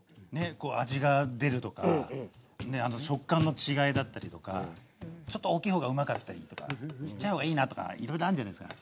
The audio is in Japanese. こう味が出るとかね食感の違いだったりとかちょっと大きい方がうまかったりとかちっちゃい方がいいなとかいろいろあんじゃないすか。